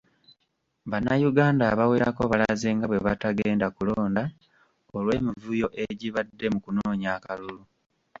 Bannayuganda abawerako balaze nga bwe batagenda kulonda olw’emivuyo egibadde mu kunoonya akalulu.